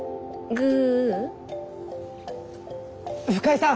グー！